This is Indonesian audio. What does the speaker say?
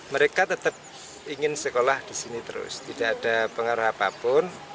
mereka tetap ingin sekolah di sini terus tidak ada pengaruh apapun